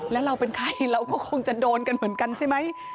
แล้วเราเป็นใครเราก็คงจะโดนกันเหมือนกันใช่ไหม